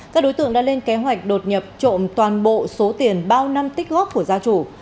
các đối tượng đã lên kế hoạch đột nhập trộm toàn bộ số tiền bao năm tích góp của gia chủ